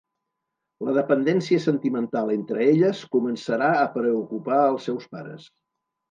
La dependència sentimental entre elles començarà a preocupar els seus pares.